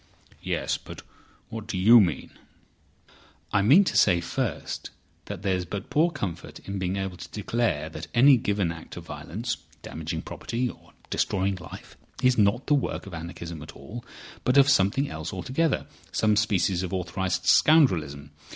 "Yes. But what do you mean?" "I mean to say, first, that there's but poor comfort in being able to declare that any given act of violence—damaging property or destroying life—is not the work of anarchism at all, but of something else altogether—some species of authorised scoundrelism.